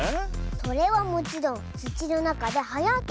それはもちろんつちのなかではやってるきょくだズー。